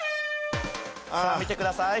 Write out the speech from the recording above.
さぁ見てください。